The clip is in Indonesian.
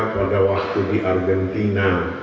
pada waktu di argentina